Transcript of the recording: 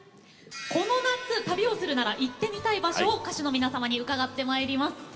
この夏旅をするなら行ってみたい場所を歌手の皆様に伺ってまいります。